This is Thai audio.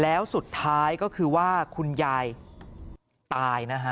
แล้วสุดท้ายก็คือว่าคุณยายตายนะฮะ